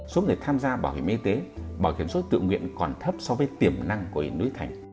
số người tham gia bảo hiểm y tế bảo hiểm sội tự nguyện còn thấp so với tiềm năng của huyện núi thành